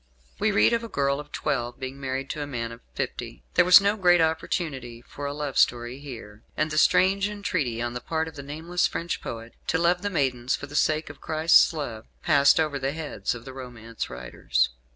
We read of a girl of twelve being married to a man of fifty. There was no great opportunity for a love story here; and the strange entreaty, on the part of the nameless French poet, to love the maidens for the sake of Christ's love, passed over the heads of the romance writers.